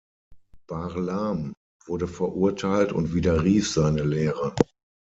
Barlaam wurde verurteilt und widerrief seine Lehre.